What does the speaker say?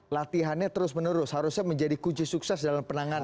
latihannya terus menerus harusnya menjadi kunci sukses dalam penanganan